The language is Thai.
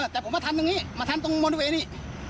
แต่ผมมาทำตรงนี้มาทำตรงมณเวย์นี้